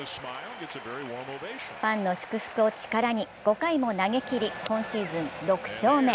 ファンの祝福を力に５回も投げきり今シーズン６勝目。